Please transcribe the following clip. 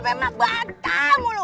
memang bantamu lu